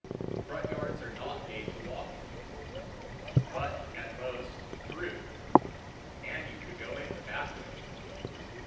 Front yards are not made to walk in, but, at most, through, and you could go in the back way.